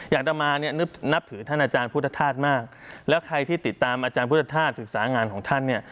อัตมาเนี่ยนับถือท่านอาจารย์พุทธธาตุมากแล้วใครที่ติดตามอาจารย์พุทธธาตุศึกษางานของท่านเนี่ย